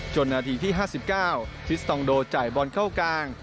นาทีที่๕๙ทิสตองโดจ่ายบอลเข้ากลาง